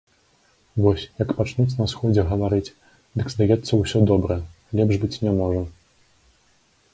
Вось, як пачнуць на сходзе гаварыць, дык здаецца ўсё добра, лепш быць не можа.